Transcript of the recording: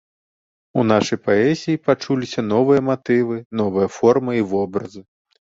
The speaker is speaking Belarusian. У нашай паэзіі пачуліся новыя матывы, новыя формы і вобразы.